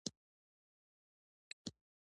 امر یې کړی د بنګال سکه دي په ده نامه ووهل شي.